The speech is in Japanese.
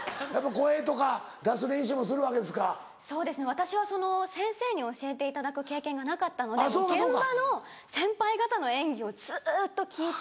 私は先生に教えていただく経験がなかったので現場の先輩方の演技をずっと聞いて。